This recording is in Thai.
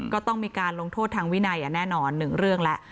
ก็ต้องมีการลงโทษทางวินัยแน่นอน๑เรื่องแล้ว